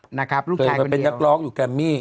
ชายมาเป็นนักร้องอยู่กับมี